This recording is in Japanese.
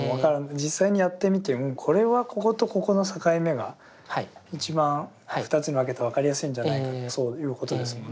実際にやってみてうんこれはこことここの境目が一番２つに分けたら分かりやすいんじゃないかそういうことですもんね。